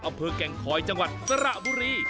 อำเภอแก่งคอยจังหวัดสระบุรี